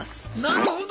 なるほど！